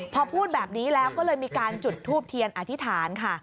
พอพูดแบบนี้แล้วก็เลยมีการจุดทูบเทียนอธิษฐานค่ะ